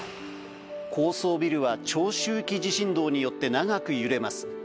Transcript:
高層ビルは長周期地震動によって、長く揺れます。